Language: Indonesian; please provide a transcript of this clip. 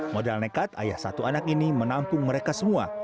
modal nekat ayah satu anak ini menampung mereka semua